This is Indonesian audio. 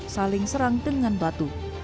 saling serang dengan batu